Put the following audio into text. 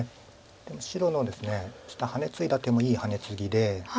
でも白のですね下ハネツイだ手もいいハネツギで。